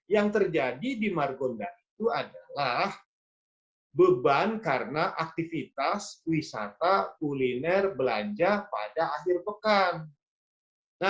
yang terjadi di margonda itu adalah beban karena aktivitas wisata kuliner belanja pada akhir pekan